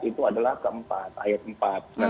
kemudian ayat empat sampai ayat tujuh